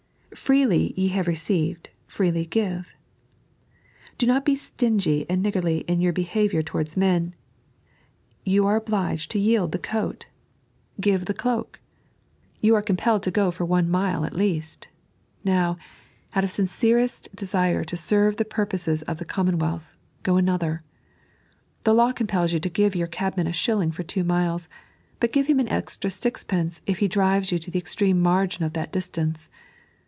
" fVeely ye have received, freely give." Do not be stingy and niggardly in your behaviour towards men. You are obliged to yield the coat, give the 3.n.iized by Google 82 The Second Mile. cloak ; you are cooipeUed to go for one mile at least, now, out of sincere desire to serve the purpoeee of the common wealth, go another. The law compels you to give your cabman a shilling for two miles; but ^ve him an extra Bixpencfl, if he driven you to the extreme margin of that distance.